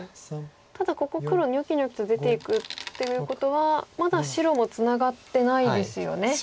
ただここ黒ニョキニョキと出ていくということはまだ白もツナがってないですよね。